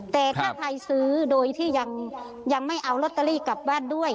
แต่ถ้าใครซื้อโดยที่ยังไม่เอาลอตเตอรี่กลับบ้านด้วย